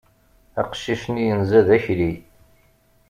Aqcic-nni yenza d akli.